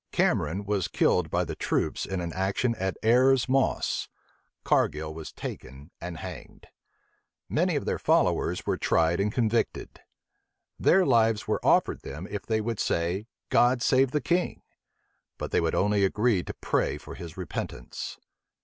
Cameron was killed by the troops in an action at Airs Moss: Cargil was taken and hanged. Many of their followers were tried and convicted. Their lives were offered them if they would say, "God save the king:" but they would only agree to pray for his repentance.